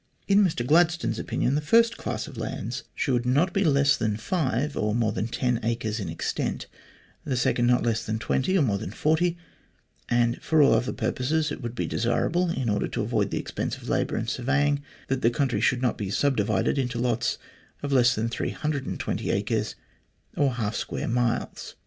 In Mr Gladstone's opinion, the first class of lands should 32 THE GLADSTONE COLONY not be less than 5 or more than 10 acres in extent; the second not less than 20 or more than 40; and for all other purposes it would be desirable, in order to avoid the expense of labour and surveying, that the country should not be subdivided into lots of less than 320 acres or half square miles.